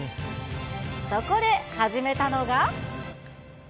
そこで始めたのが。